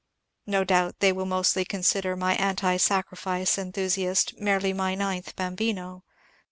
No doubt they will mostly consider my anti sacrifice enthusiast merely my ninth bambino.